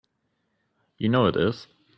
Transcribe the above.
You know it is!